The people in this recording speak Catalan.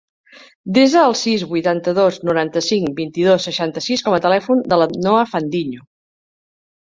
Desa el sis, vuitanta-dos, noranta-cinc, vint-i-dos, seixanta-sis com a telèfon de la Noa Fandiño.